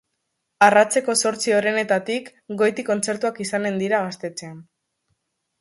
Arratseko zortzi orenetatik goiti kontzertuak izanen dira gaztetxean.